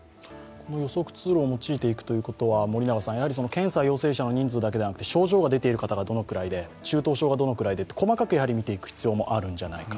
この予測ツールを用いていくということはやはり検査陽性者の人数だけではなくて、症状が出ている方がどのくらいで、中等症がどのくらいでと細かく見ていく必要もあるんじゃないか。